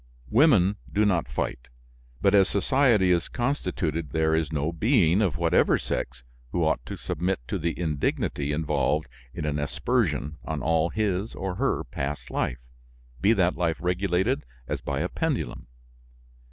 "Women do not fight; but as society is constituted there is no being, of whatever sex, who ought to submit to the indignity involved in an aspersion on all his or her past life, be that life regulated as by a pendulum.